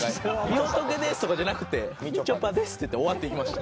「みほとけです」とかじゃなくて「みちょぱです」って言って終わっていきました。